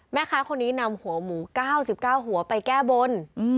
แม่ค้าคนนี้นำหัวหมู๙๙หัวไปแก้บน